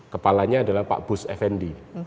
kepalanya adalah pak bus effendi